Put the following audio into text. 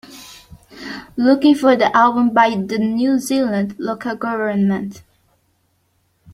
Looking for the album by the New Zealand Local Government